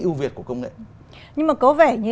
ưu việt của công nghệ nhưng mà có vẻ như